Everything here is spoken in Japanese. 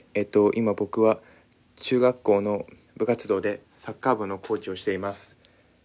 今僕は中学校の部活動でサッカー部のコーチをしています。